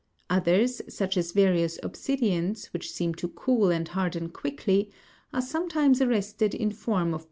Others, such as various obsidians, which seem to cool and harden quickly, are sometimes arrested in form of great tears, 33.